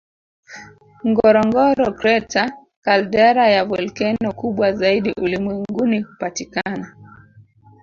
Ngorongoro Crater caldera ya volkeno kubwa zaidi ulimwenguni hupatikana